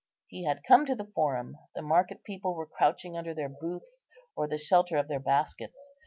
He had come to the Forum; the market people were crouching under their booths or the shelter of their baskets.